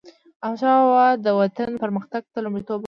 احمدشاه بابا به د وطن پرمختګ ته لومړیتوب ورکاوه.